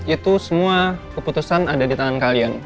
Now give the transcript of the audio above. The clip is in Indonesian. itu semua keputusan ada di tangan kalian